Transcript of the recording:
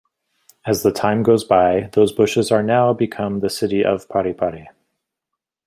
As the time goes by, those bushes are now become the city of Parepare.